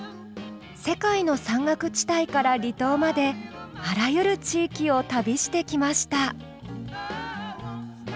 世界の山岳地帯から離島まであらゆる地域を旅してきました。